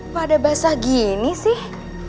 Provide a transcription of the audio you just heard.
pada basah gini sih